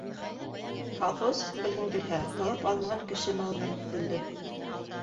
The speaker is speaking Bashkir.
Колхоз, белгең килһә, талап алынған кеше малынан төҙөлдө.